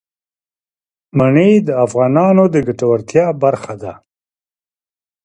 منی د افغانانو د ګټورتیا برخه ده.